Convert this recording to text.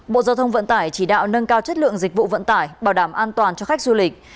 bộ giao thông vận tải chỉ đạo nâng cao chất lượng dịch vụ vận tải bảo đảm an toàn cho khách du lịch